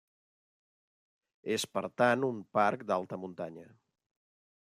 És per tant un parc d'alta muntanya.